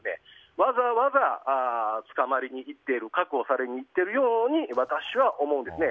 わざわざ捕まりに行っている確保されに行っているように私は思いますね。